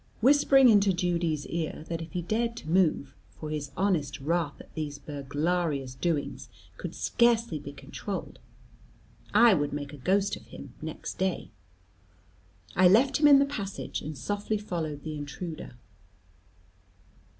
Whispering into Judy's ear, that if he dared to move for his honest wrath at these burglarious doings could scarcely be controlled I would make a ghost of him next day, I left him in the passage, and softly followed the intruder.